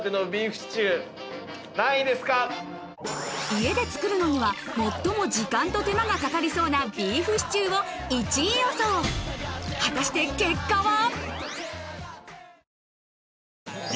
家で作るのには最も時間と手間がかかりそうなビーフシチューを１位予想果たして結果は？